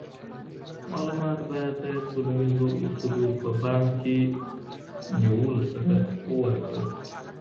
معلومات باید د ټولنیزو اصولو په پام کي نیولو سره ورکړل سي.